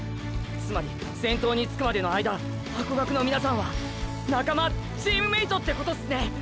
つまり先頭に着くまでの間ハコガクの皆さんは“仲間”“チームメイト”ってことすね！！